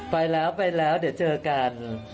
ไปแล้วไปแล้วเดี๋ยวเจอกัน